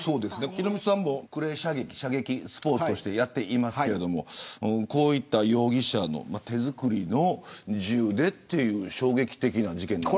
ヒロミさんも、クレー射撃スポーツとしてやっていますがこういった容疑者の手作りの銃でという衝撃的な事件です。